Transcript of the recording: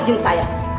ini rumah saya